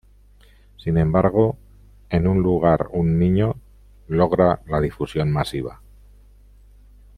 Sin embargo "En un lugar un niño" logra la difusión masiva.